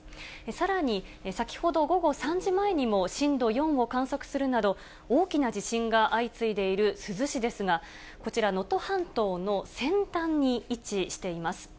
さらに、先ほど午後３時前にも震度４を観測するなど、大きな地震が相次いでいる珠洲市ですが、こちら能登半島の先端に位置しています。